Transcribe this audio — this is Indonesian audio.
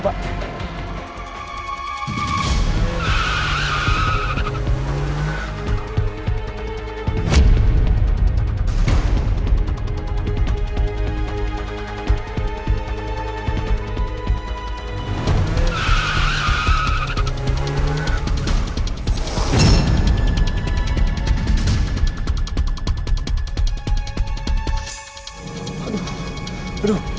bapak ngebut ya